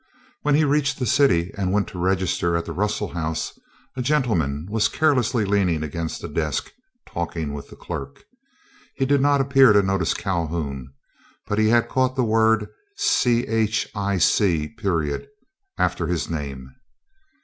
When he reached the city and went to register at the Russell House, a gentleman was carelessly leaning against the desk talking with the clerk. He did not appear to notice Calhoun, but he had caught the word "Chic." after his name.